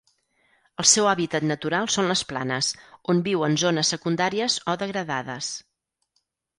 El seu hàbitat natural són les planes, on viu en zones secundàries o degradades.